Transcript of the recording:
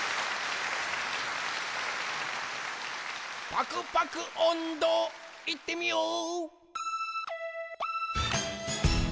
パクパクおんど、いってみよう！